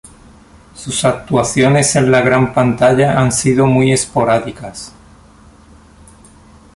Sus actuaciones en la gran pantalla han sido muy esporádicas.